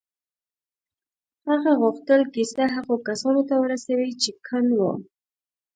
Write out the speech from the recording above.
هغه غوښتل کیسه هغو کسانو ته ورسوي چې کڼ وو